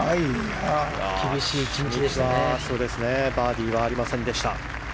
バーディーはありませんでした。